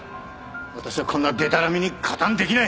私はこんなでたらめに加担できない！